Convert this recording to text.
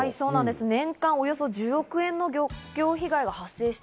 年間およそ、１０億円の漁業被害が。